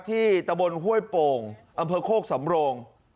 ตะบนห้วยโป่งอำเภอโคกสำโรง